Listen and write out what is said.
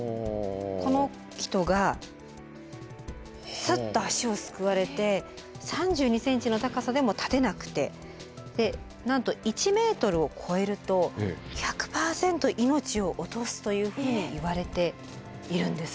この人がサッと足をすくわれて３２ｃｍの高さでも立てなくてなんと１ｍを超えると１００％命を落とすというふうにいわれているんです。